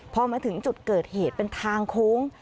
พอมาถึงจุดเกิดเหตุเป็นทางโค้ง